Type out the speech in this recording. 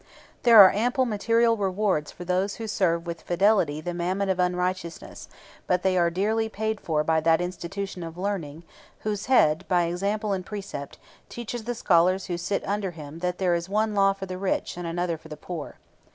There are ample material rewards for those who serve with fidelity the Mammon of unrighteousness, but they are dearly paid for by that institution of learning whose head, by example and precept, teaches the scholars who sit under him that there is one law for the rich and another for the poor.